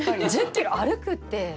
１０キロ歩くって。